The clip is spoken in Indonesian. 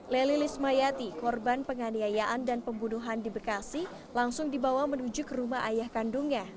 lely lismayati korban penganiayaan dan pembunuhan di bekasi langsung dibawa menuju ke rumah ayah kandungnya